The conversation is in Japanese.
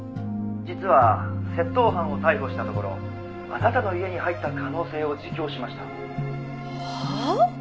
「実は窃盗犯を逮捕したところあなたの家に入った可能性を自供しました」はあ？